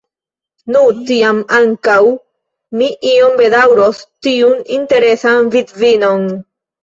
Nu, tiam ankaŭ mi iom bedaŭros tiun interesan vidvinon.